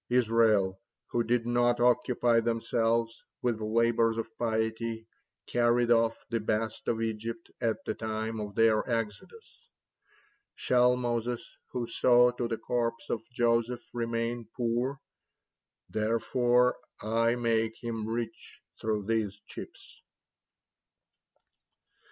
Israel, who did not occupy themselves with labors of piety, carried off the best of Egypt at the time of their exodus. Shall Moses, who saw to the corpse of Joseph, remain poor? Therefore will I make him rich through these chips."